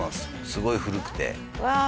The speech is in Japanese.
すごい古くてわあ